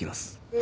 え！